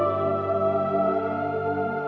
assalamualaikum warahmatullahi wabarakatuh